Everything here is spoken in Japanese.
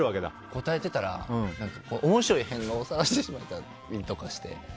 応えてたら、面白い変顔を探してしまったりして。